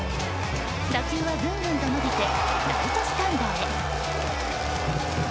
打球はぐんぐんと伸びてライトスタンドへ。